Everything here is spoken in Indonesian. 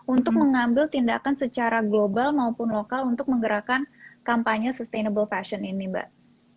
untuk mengambil tindakan secara global maupun lokal untuk menggerakkan kampanye sustainable fashion ini mbak